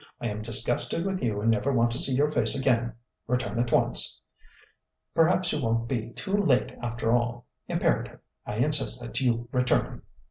I am disgusted with you and never want to see your face again. Return at once. Perhaps you won't be too late after all. Imperative. I insist that you return.